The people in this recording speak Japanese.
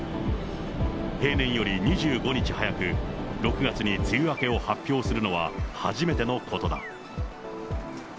平年より２５日早く、６月に梅雨明けを発表するのは初めてのことだ。